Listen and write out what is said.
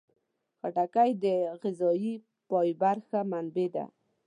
خټکی د غذايي فایبر ښه منبع ده.